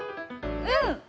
うん！